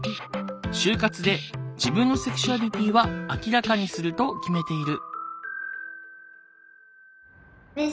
就活で自分のセクシュアリティーは明らかにすると決めている。